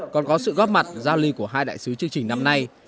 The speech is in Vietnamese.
còn có sự góp mặt giao ly của hai đại sứ chương trình năm nay